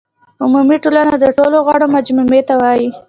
عمومي ټولنه د ټولو غړو مجموعې ته وایي.